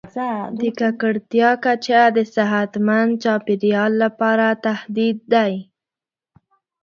د ککړتیا کچه د صحتمند چاپیریال لپاره تهدید دی.